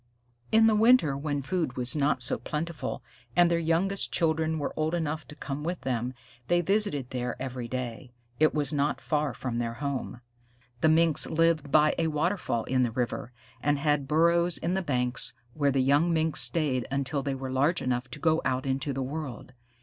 In the winter, when food was not so plentiful and their youngest children were old enough to come with them, they visited there every day. It was not far from their home. The Minks lived by a waterfall in the river, and had burrows in the banks, where the young Minks stayed until they were large enough to go out into the world.